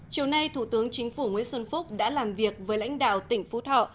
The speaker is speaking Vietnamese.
chiều nay thủ tướng chính phủ nguyễn xuân phúc đã làm việc với lãnh đạo tỉnh phú thọ